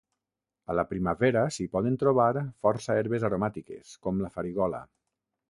A la primavera s'hi poden trobar força herbes aromàtiques com la farigola.